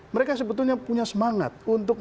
mereka sebetulnya punya semangat untuk